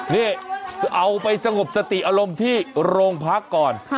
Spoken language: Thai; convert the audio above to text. นี่เอาไปสงบสติอารมณ์ที่โรงพักก่อน